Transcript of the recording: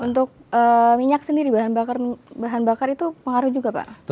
untuk minyak sendiri bahan bakar itu pengaruh juga pak